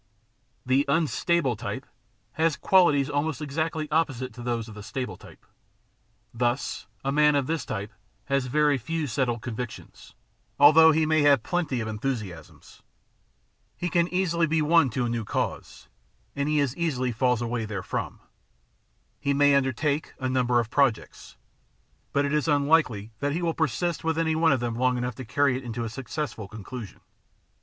The unstable type has qualities almost exactly opposite to those of the stable type. Thus, a man of this type has very few settled convictions, although he may have plenty of enthusiasms. He can easily be won to a new cause, and he as easily falls away therefrom. He may undertake a number of projects, but it is unlikely that he will persist with any one of them long enough to carry it to a successful conclusion.